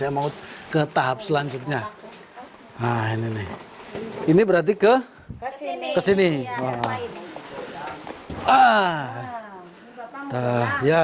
mau ke tahap selanjutnya nah ini nih ini berarti ke sini kesini ah ah ah ya